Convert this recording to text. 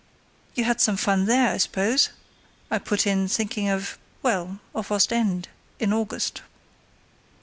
"You had some fun there, I suppose?" I put in, thinking of—well, of Ostend in August.